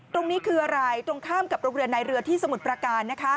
ตรงนี้คืออะไรตรงข้ามกับโรงเรียนในเรือที่สมุทรประการ